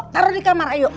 taruh di kamar ayo